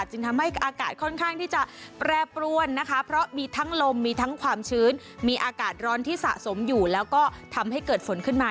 จึงทำให้อากาศค่อนข้างที่จะแปรปรวนนะคะเพราะมีทั้งลมมีทั้งความชื้นมีอากาศร้อนที่สะสมอยู่แล้วก็ทำให้เกิดฝนขึ้นมา